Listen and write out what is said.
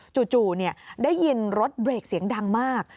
จู่ได้ยินรถเบรกเสียงดังมาก